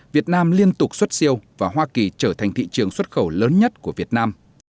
việt nam liên tục xuất siêu và hoa kỳ trở thành thị trường xuất khẩu lớn nhất của việt nam